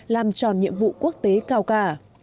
làm tròn nhiệm vụ quốc tế cao cả